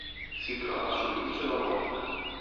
Si trova sull'isola omonima.